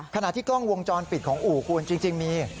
ขณะที่กล้องวงจรปิดของอู่คุณจริงมี